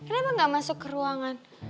kenapa nggak masuk ke ruangan